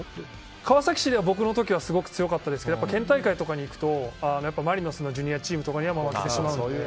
川崎市では、僕の時はすごく強かったですが県大会に行くとマリノスのジュニアチームとかには負けてしまうので。